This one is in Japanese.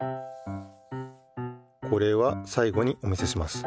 これはさい後にお見せします。